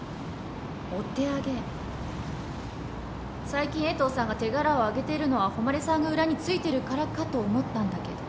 最近江藤さんが手柄をあげてるのは誉さんが裏についてるからかと思ったんだけど。